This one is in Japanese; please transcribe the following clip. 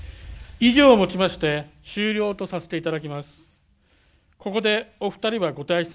以上をもちまして、終了とさせていただきます。